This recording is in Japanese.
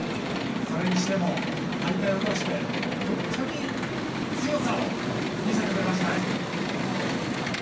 それにしても大会を通して本当に強さを見せてくれましたね。